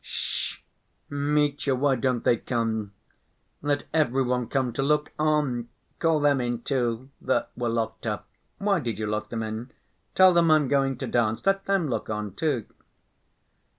"Sh‐h! Mitya, why don't they come? Let every one come ... to look on. Call them in, too, that were locked in.... Why did you lock them in? Tell them I'm going to dance. Let them look on, too...."